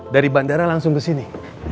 dari bandara langsung kesini